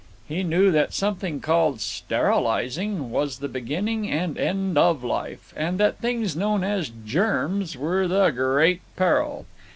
He knew that something called "sterilizing" was the beginning and end of life, and that things known as germs were the Great Peril.